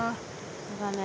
そうだね。